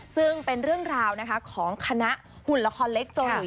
ซึ่งเป็นเรื่องราวนะคะของคณะหุ่นละครเล็กเกาหลี